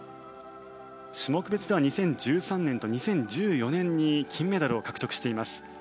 種目別では２０１３年と２０１４年に金メダルを獲得しています。